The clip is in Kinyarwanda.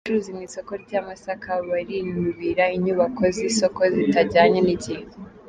Abacururiza mu isoko ry’i Masaka barinubira inyubako z’isoko zitajyanye n’igihe